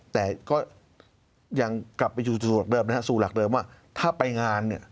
แต่ก็ยังกลับไปสู่หลักเดิมนะฮะสู่หลักเดิมว่าถ้าไปงานเนี่ย